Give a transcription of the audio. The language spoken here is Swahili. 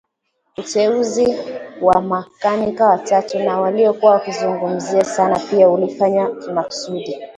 Uteuzi wa makanika watatu na waliokuwa wakizungumza sana pia ulifanywa kimaksudi